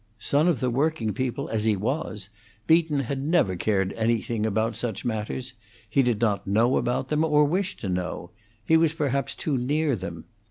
Son of the working people as he was, Beaton had never cared anything about such matters; he did not know about them or wish to know; he was perhaps too near them.